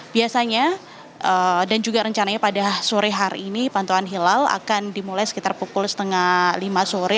biasanya dan juga rencananya pada sore hari ini pantauan hilal akan dimulai sekitar pukul setengah lima sore